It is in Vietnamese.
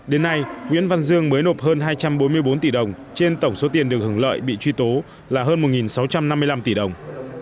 đến nay nguyễn văn dương mới nộp hơn hai trăm bốn mươi bốn tỷ đồng trên tổng số tiền được hưởng lợi bị truy tố là hơn một sáu trăm năm mươi năm tỷ đồng